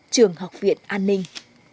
trường học viện an ninh